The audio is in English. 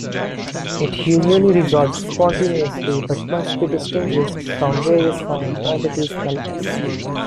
It usually resolves spontaneously, but must be distinguished from various forms of diabetes mellitus.